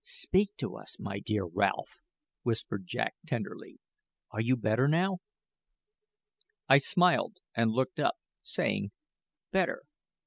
"Speak to us, my dear Ralph!" whispered Jack tenderly. "Are you better now?" I smiled and looked up, saying, "Better!